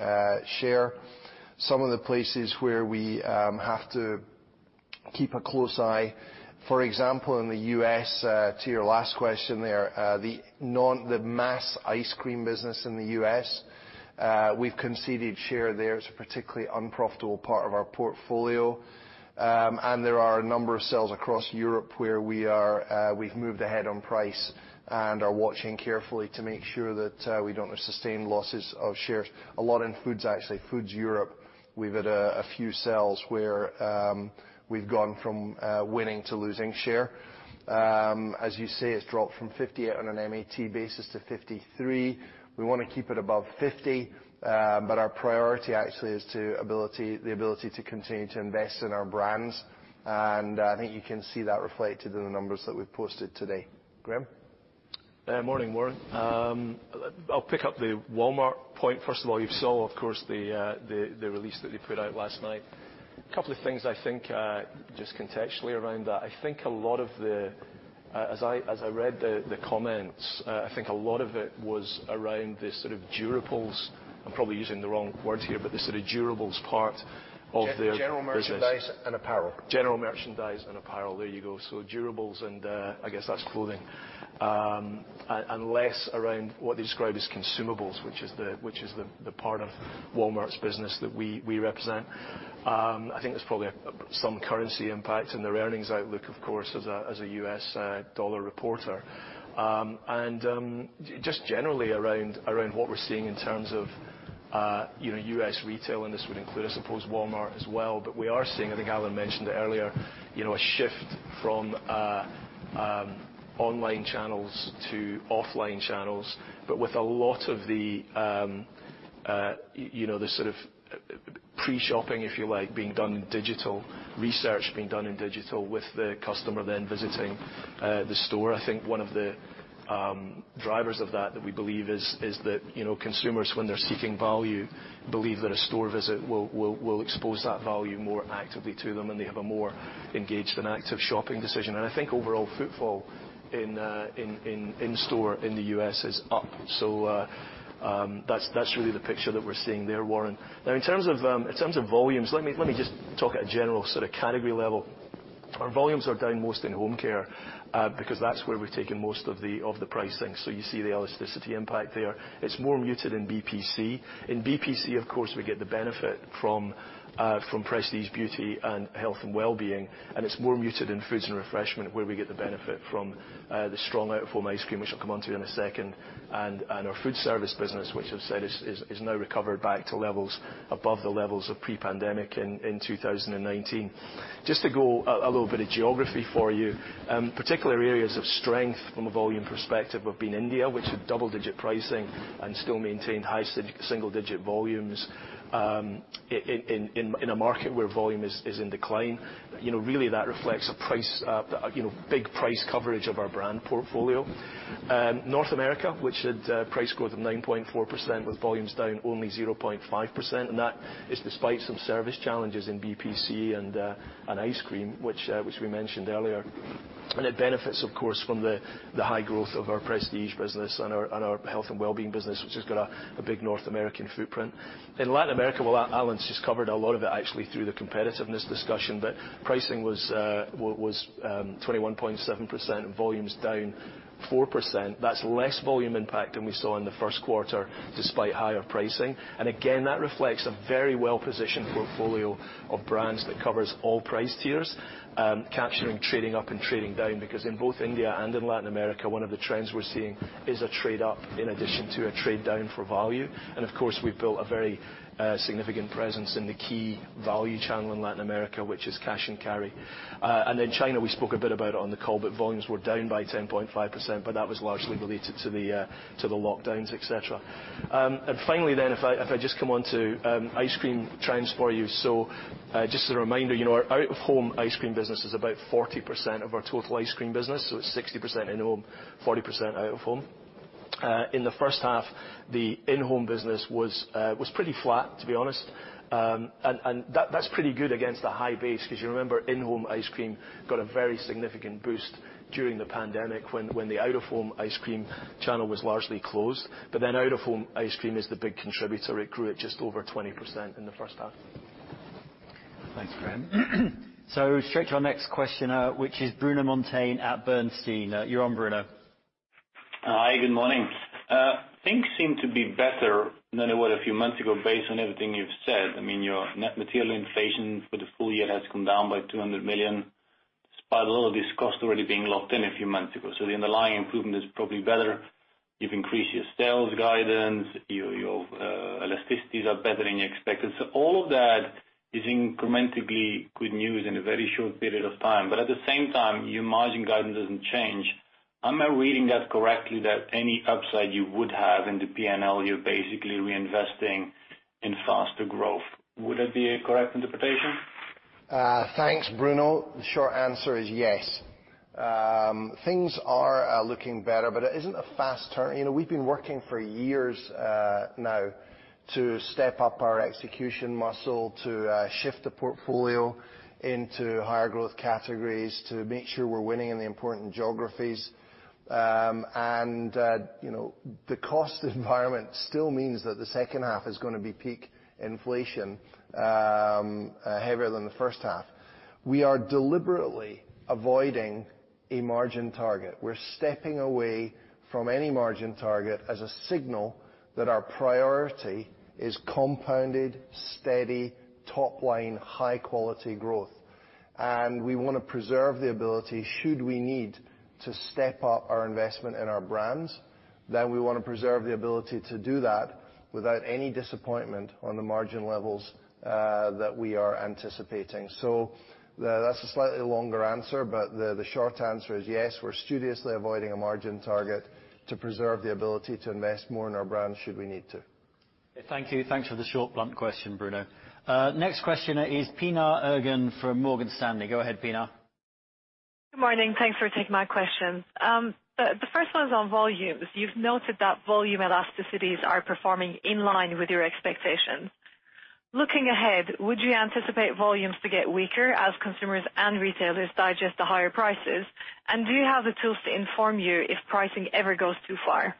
share. Some of the places where we have to keep a close eye, for example, in the US, to your last question there, the mass ice cream business in the US, we've conceded share there. It's a particularly unprofitable part of our portfolio. There are a number of sales across Europe where we are, we've moved ahead on price and are watching carefully to make sure that we don't sustain losses of shares. A lot in foods, actually. Foods Europe, we've had a few sales where we've gone from winning to losing share. As you say, it's dropped from 58% on an MAT basis to 53%. We want to keep it above 50%, but our priority actually is the ability to continue to invest in our brands. I think you can see that reflected in the numbers that we've posted today. Graeme? Morning, Warren. I'll pick up the Walmart point first of all. You saw, of course, the release that they put out last night. A couple of things I think, just contextually around that. As I read the comments, I think a lot of it was around the sort of durables. I'm probably using the wrong word here, but the sort of durables part of their business... <crosstalk> General merchandise and apparel. General merchandise and apparel. There you go. Durables and I guess that's clothing, and less around what they describe as consumables, which is the part of Walmart's business that we represent. I think there's probably some currency impact in their earnings outlook, of course, as a US dollar reporter, and just generally around what we're seeing in terms of, you know, US retail, and this would include, I suppose, Walmart as well. We are seeing, I think Alan mentioned it earlier, you know, a shift from online channels to offline channels, with a lot of the, you know, the sort of pre-shopping, if you like, being done in digital, research being done in digital with the customer then visiting the store. I think one of the drivers of that we believe is that, you know, consumers, when they're seeking value, believe that a store visit will expose that value more actively to them and they have a more engaged and active shopping decision. I think overall footfall in store in the US is up. That's really the picture that we're seeing there, Warren. Now, in terms of volumes, let me just talk at a general sort of category level. Our volumes are down most in home care, because that's where we've taken most of the pricing. You see the elasticity impact there. It's more muted in BPC. In BPC, of course, we get the benefit from prestige beauty and health and wellbeing, and it's more muted in foods and refreshment, where we get the benefit from the strong out-of-home ice cream, which I'll come onto in a second. Our food service business, which I've said is now recovered back to levels above the levels of pre-pandemic in 2019. Just to go a little bit of geography for you, particular areas of strength from a volume perspective have been India, which had double-digit pricing and still maintained high single-digit volumes, in a market where volume is in decline. You know, really that reflects a price, you know, big price coverage of our brand portfolio. North America, which had price growth of 9.4% with volumes down only 0.5%, and that is despite some service challenges in BPC and ice cream which we mentioned earlier. It benefits of course from the high growth of our prestige business and our health and wellbeing business, which has got a big North American footprint. In Latin America, well, Alan's just covered a lot of it actually through the competitiveness discussion, but pricing was 21.7% and volumes down 4%. That's less volume impact than we saw in the first quarter despite higher pricing. Again, that reflects a very well-positioned portfolio of brands that covers all price tiers, capturing trading up and trading down. Because in both India and in Latin America, one of the trends we're seeing is a trade-up in addition to a trade-down for value. Of course, we've built a very significant presence in the key value channel in Latin America, which is cash and carry. In China, we spoke a bit about it on the call, but volumes were down by 10.5%, but that was largely related to the lockdowns, et cetera. Finally, if I just come on to ice cream trends for you. Just as a reminder, you know, our out-of-home ice cream business is about 40% of our total ice cream business, so it's 60% in-home, 40% out-of-home. In the first half, the in-home business was pretty flat, to be honest. That's pretty good against a high base, 'cause you remember in-home ice cream got a very significant boost during the pandemic when the out-of-home ice cream channel was largely closed. Out-of-home ice cream is the big contributor. It grew at just over 20% in the first half. Thanks, Graeme. Straight to our next question, which is Bruno Monteyne at Bernstein. You're on, Bruno. Hi, good morning. Things seem to be better than they were a few months ago based on everything you've said. I mean, your net material inflation for the full year has come down by 200 million, despite a lot of this cost already being locked in a few months ago. The underlying improvement is probably better. You've increased your sales guidance. Your elasticities are better than you expected. All of that is incrementally good news in a very short period of time. At the same time, your margin guidance doesn't change. Am I reading that correctly, that any upside you would have in the P&L, you're basically reinvesting in faster growth? Would that be a correct interpretation? Thanks, Bruno. The short answer is yes. Things are looking better, but it isn't a fast turn. You know, we've been working for years now to step up our execution muscle, to shift the portfolio into higher growth categories, to make sure we're winning in the important geographies. You know, the cost environment still means that the second half is gonna be peak inflation, heavier than the first half. We are deliberately avoiding a margin target. We're stepping away from any margin target as a signal that our priority is compounded, steady, top-line, high-quality growth. We want to preserve the ability should we need to step up our investment in our brands, then we want to preserve the ability to do that without any disappointment on the margin levels that we are anticipating. That's a slightly longer answer, but the short answer is yes, we're studiously avoiding a margin target to preserve the ability to invest more in our brands should we need to. Thank you. Thanks for the short, blunt question, Bruno. Next question is Pinar Ergun from Morgan Stanley. Go ahead, Pinar. Good morning. Thanks for taking my question. The first one is on volumes. You've noted that volume elasticities are performing in line with your expectations. Looking ahead, would you anticipate volumes to get weaker as consumers and retailers digest the higher prices? And do you have the tools to inform you if pricing ever goes too far?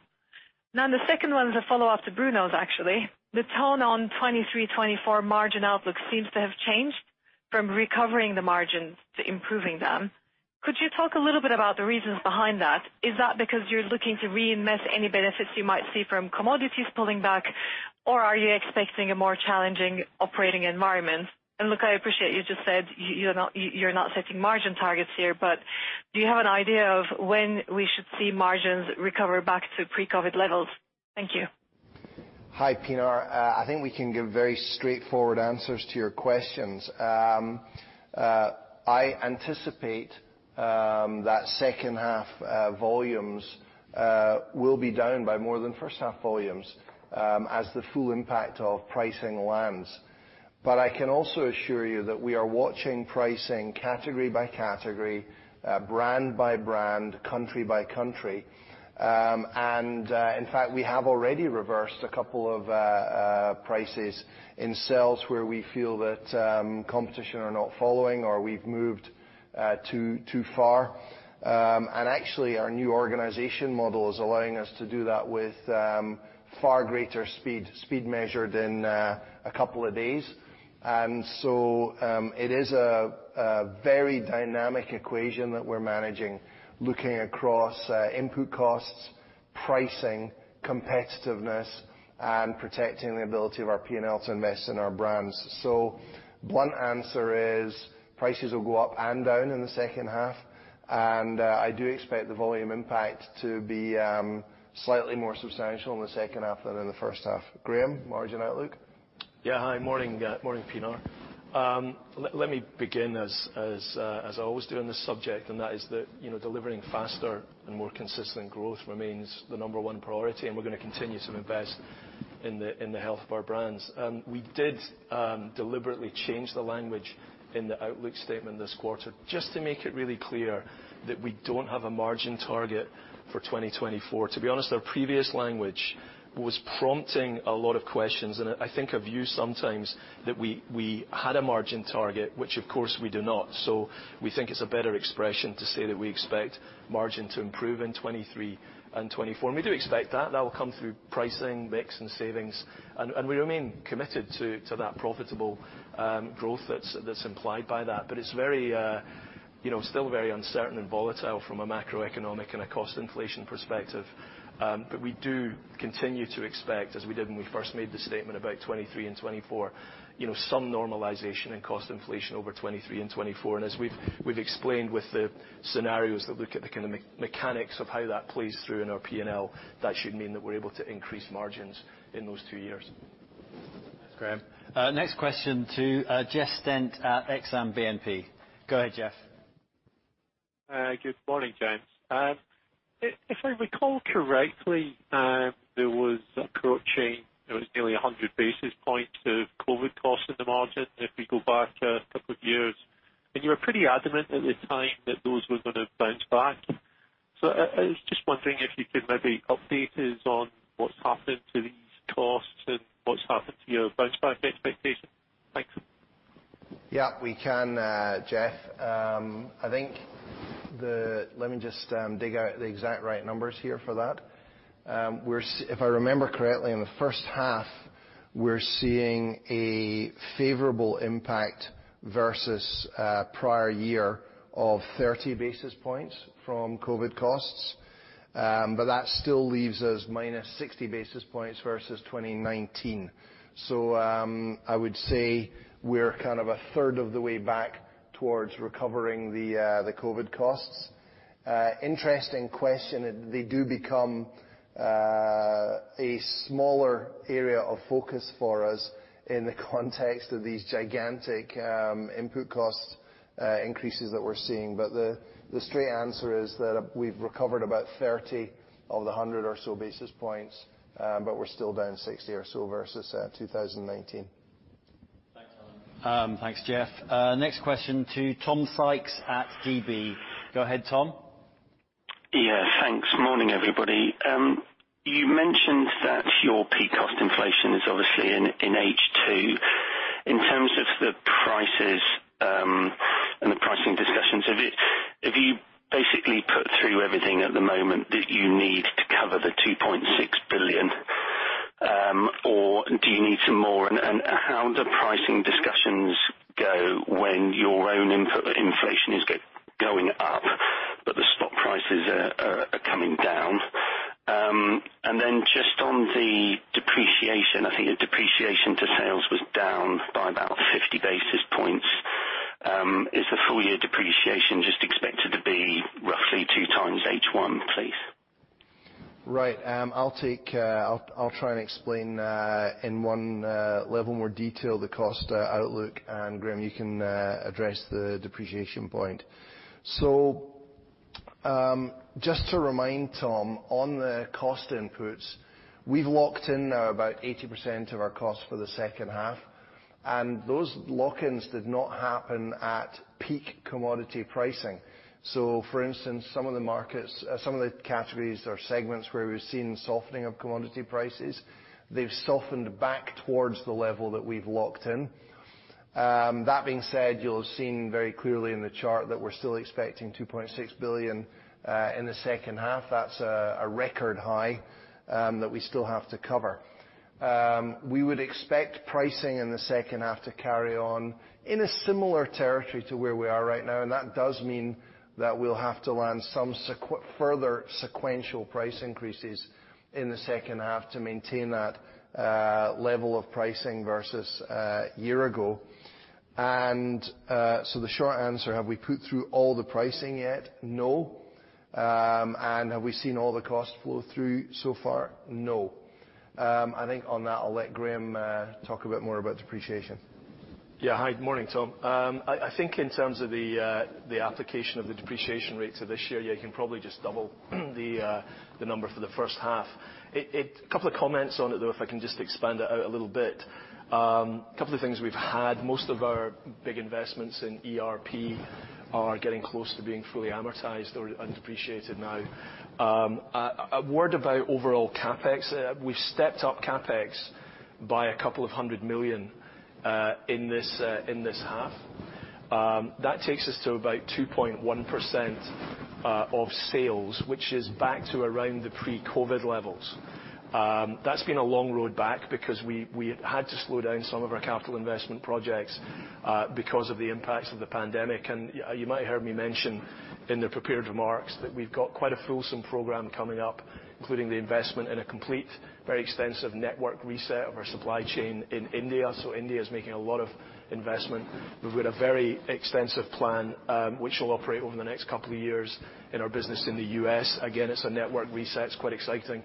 Now the second one is a follow-up to Bruno's, actually. The tone on 2023/2024 margin outlook seems to have changed from recovering the margins to improving them. Could you talk a little bit about the reasons behind that? Is that because you're looking to reinvest any benefits you might see from commodities pulling back, or are you expecting a more challenging operating environment? Look, I appreciate you just said you're not setting margin targets here, but do you have an idea of when we should see margins recover back to pre-COVID levels? Thank you. Hi, Pinar. I think we can give very straightforward answers to your questions. I anticipate that second half volumes will be down by more than first half volumes as the full impact of pricing lands. I can also assure you that we are watching pricing category by category, brand by brand, country by country. In fact, we have already reversed a couple of price increases where we feel that competitors are not following or we've moved too far. Actually, our new organization model is allowing us to do that with far greater speed measured in a couple of days. It is a very dynamic equation that we're managing, looking across input costs. Pricing, competitiveness, and protecting the ability of our P&L to invest in our brands. One answer is prices will go up and down in the second half, and I do expect the volume impact to be slightly more substantial in the second half than in the first half. Graeme, margin outlook? Yeah. Hi. Morning, Pinar. Let me begin as I always do on this subject, that is, you know, delivering faster and more consistent growth remains the number one priority, and we're gonna continue to invest in the health of our brands. We did deliberately change the language in the outlook statement this quarter just to make it really clear that we don't have a margin target for 2024. To be honest, our previous language was prompting a lot of questions, and I think a view sometimes that we had a margin target, which of course we do not. We think it's a better expression to say that we expect margin to improve in 2023 and 2024, and we do expect that. That will come through pricing, mix, and savings, and we remain committed to that profitable growth that's implied by that. It's very, you know, still very uncertain and volatile from a macroeconomic and a cost inflation perspective. We do continue to expect, as we did when we first made the statement about 2023 and 2024, you know, some normalization in cost inflation over 2023 and 2024. As we've explained with the scenarios that look at the kind of mechanics of how that plays through in our P&L, that should mean that we're able to increase margins in those two years. Thanks, Graeme. Next question to Jeff Stent at Exane BNP. Go ahead, Jeff. Good morning, gents. If I recall correctly, there was nearly 100-basis points of COVID costs in the margin if we go back a couple of years, and you were pretty adamant at the time that those were gonna bounce back. I was just wondering if you could maybe update us on what's happened to these costs and what's happened to your bounce back expectations. Thanks. Yeah, we can, Jeff. I think. Let me just dig out the exact right numbers here for that. If I remember correctly, in the first half we're seeing a favorable impact versus prior year of 30-basis points from COVID costs, but that still leaves us -60-basis points versus 2019. I would say we're kind of a third of the way back towards recovering the COVID costs. Interesting question. They do become a smaller area of focus for us in the context of these gigantic input cost increases that we're seeing. The straight answer is that we've recovered about 30 of the 100 or so basis points, but we're still down 60 or so versus 2019. Thanks, Alan. Thanks, Jeff. Next question to Tom Sykes at DB. Go ahead, Tom. Yeah, thanks. Morning, everybody. You mentioned that your peak cost inflation is obviously in second half. In terms of the prices and the pricing discussions, have you basically put through everything at the moment that you need to cover the 2.6 billion or do you need some more? How do pricing discussions go when your own input inflation is going up but the stock prices are coming down? Just on the depreciation, I think the depreciation to sales was down by about 50-basis points. Is the full year depreciation just expected to be roughly 2x first half, please? Right. I'll take, I'll try and explain in one level more detail the cost outlook, and Graeme, you can address the depreciation point. Just to remind, Tom, on the cost inputs, we've locked in now about 80% of our costs for the second half, and those lock-ins did not happen at peak commodity pricing. For instance, some of the markets, some of the categories or segments where we've seen softening of commodity prices, they've softened back towards the level that we've locked in. That being said, you'll have seen very clearly in the chart that we're still expecting 2.6 billion in the second half. That's a record high that we still have to cover. We would expect pricing in the second half to carry on in a similar territory to where we are right now, and that does mean that we'll have to land some further sequential price increases in the second half to maintain that level of pricing versus a year ago. The short answer, have we put through all the pricing yet? No. Have we seen all the cost flow through so far? No. I think on that I'll let Graeme talk a bit more about depreciation. Yeah. Hi. Morning, Tom. I think in terms of the application of the depreciation rates of this year, you can probably just double the number for the first half. A couple of comments on it though, if I can just expand it out a little bit. A couple of things we've had, most of our big investments in ERP are getting close to being fully amortized or depreciated now. A word about overall CapEx. We've stepped up CapEx by 200 million in this half. That takes us to about 2.1% of sales, which is back to around the pre-COVID levels. That's been a long road back because we had to slow down some of our capital investment projects because of the impacts of the pandemic. You might heard me mention in the prepared remarks that we've got quite a fulsome program coming up, including the investment in a complete, very extensive network reset of our supply chain in India. India is making a lot of investment. We've got a very extensive plan, which will operate over the next couple of years in our business in the US. Again, it's a network reset. It's quite exciting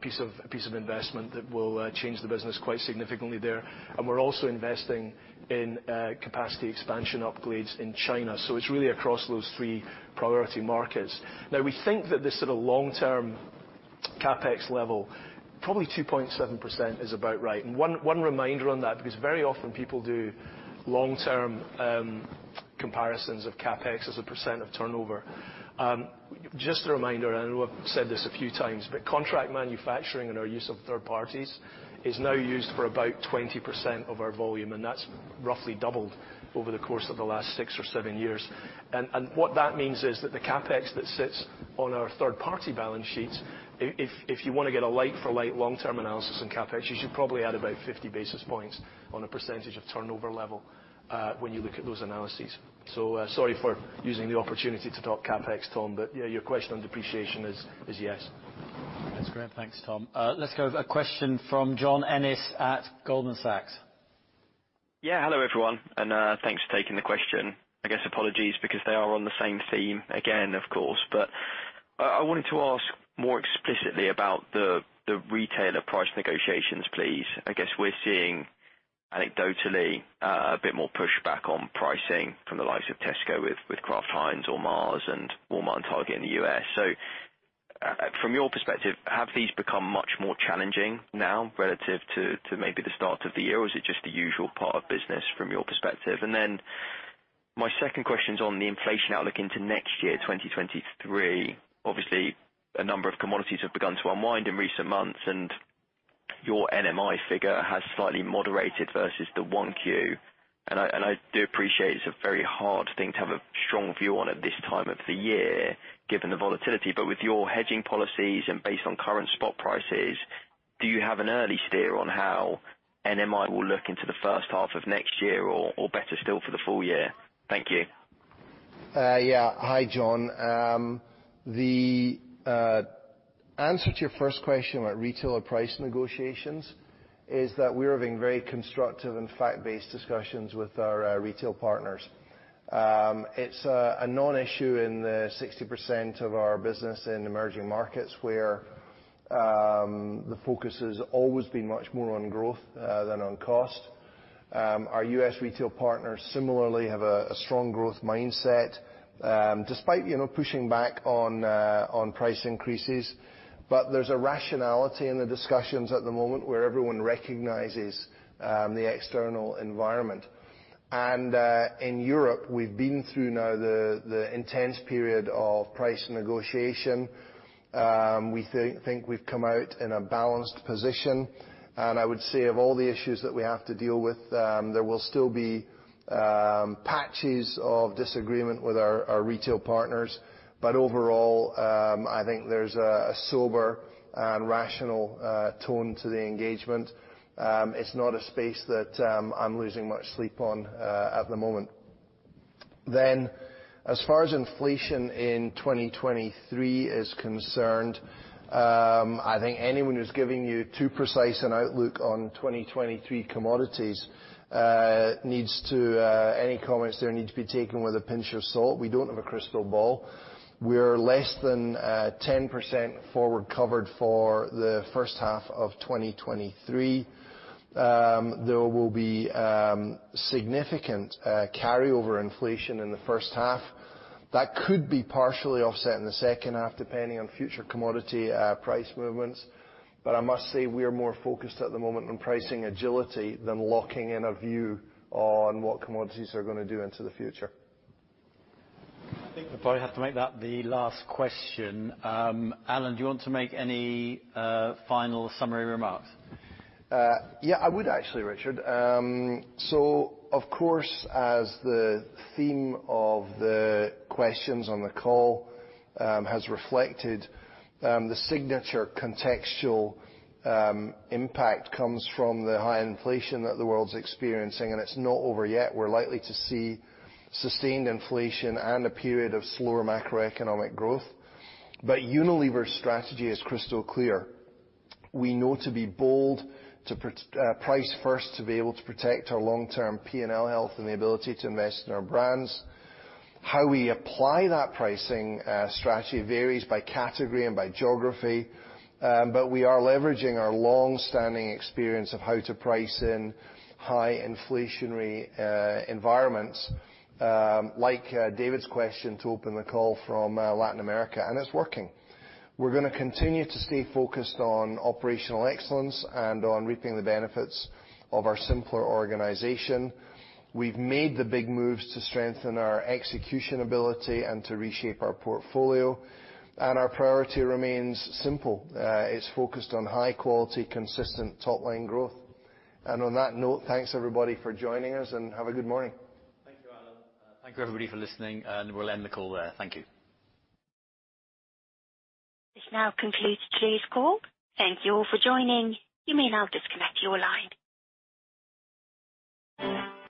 piece of investment that will change the business quite significantly there. We're also investing in capacity expansion upgrades in China. It's really across those three priority markets. Now, we think that this sort of long-term CapEx level, probably 2.7% is about right. One reminder on that, because very often people do long-term comparisons of CapEx as a percent of turnover. Just a reminder, I know I've said this a few times, but contract manufacturing and our use of third parties is now used for about 20% of our volume, and that's roughly doubled over the course of the last six or seven years. And what that means is that the CapEx that sits on our third-party balance sheets, if you want to get a like for like long-term analysis on CapEx, you should probably add about 50-basis points on a percentage of turnover level, when you look at those analyses. Sorry for using the opportunity to talk CapEx, Tom, but yeah, your question on depreciation is yes. That's great. Thanks, Tom. Let's go with a question from John Ennis at Goldman Sachs. Yeah, hello, everyone, and thanks for taking the question. I guess apologies because they are on the same theme again, of course. I wanted to ask more explicitly about the retailer price negotiations, please. I guess we're seeing anecdotally a bit more pushback on pricing from the likes of Tesco with Kraft Heinz or Mars and Walmart and Target in the US From your perspective, have these become much more challenging now relative to maybe the start of the year, or is it just the usual part of business from your perspective? My second question's on the inflation outlook into next year, 2023. Obviously, a number of commodities have begun to unwind in recent months, and your NMI figure has slightly moderated versus the first quarter. I do appreciate it's a very hard thing to have a strong view on at this time of the year given the volatility, but with your hedging policies and based on current spot prices, do you have an early steer on how NMI will look into the first half of next year or better still for the full year? Thank you. Yeah. Hi, John. The answer to your first question about retailer price negotiations is that we're having very constructive and fact-based discussions with our retail partners. It's a non-issue in the 60% of our business in emerging markets where the focus has always been much more on growth than on cost. Our US retail partners similarly have a strong growth mindset, despite, you know, pushing back on price increases. There's a rationality in the discussions at the moment where everyone recognizes the external environment. In Europe, we've been through now the intense period of price negotiation. We think we've come out in a balanced position. I would say of all the issues that we have to deal with, there will still be patches of disagreement with our retail partners. Overall, I think there's a sober and rational tone to the engagement. It's not a space that I'm losing much sleep on at the moment. As far as inflation in 2023 is concerned, I think anyone who's giving you too precise an outlook on 2023 commodities, any comments there need to be taken with a pinch of salt. We don't have a crystal ball. We're less than 10% forward covered for the first half of 2023. There will be significant carryover inflation in the first half. That could be partially offset in the second half depending on future commodity price movements. I must say we are more focused at the moment on pricing agility than locking in a view on what commodities are gonna do into the future. I think we'll probably have to make that the last question. Alan, do you want to make any final summary remarks? Yeah, I would actually, Richard. So of course, as the theme of the questions on the call has reflected, the significant contextual impact comes from the high inflation that the world's experiencing, and it's not over yet. We're likely to see sustained inflation and a period of slower macroeconomic growth. Unilever's strategy is crystal clear. We know to be bold, to price first to be able to protect our long-term P&L health and the ability to invest in our brands. How we apply that pricing strategy varies by category and by geography, but we are leveraging our long-standing experience of how to price in high inflationary environments, like David's question to open the call from Latin America, and it's working. We're gonna continue to stay focused on operational excellence and on reaping the benefits of our simpler organization. We've made the big moves to strengthen our execution ability and to reshape our portfolio, and our priority remains simple. It's focused on high quality, consistent top-line growth. On that note, thanks, everybody, for joining us, and have a good morning. Thank you, Alan. Thank you, everybody, for listening, and we'll end the call there. Thank you. This now concludes today's call. Thank you all for joining. You may now disconnect your line.